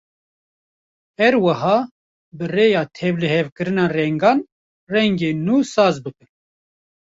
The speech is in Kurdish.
Her wiha bi rêya tevlihevkirina rengan, rengên nû saz bikin.